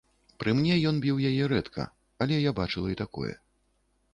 Пры мне ён біў яе рэдка, але я бачыла і такое.